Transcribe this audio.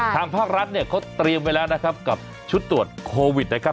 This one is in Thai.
ทางภาครัฐเนี่ยเขาเตรียมไว้แล้วนะครับกับชุดตรวจโควิดนะครับ